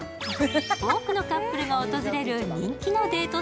多くのカップルが訪れる人気のデート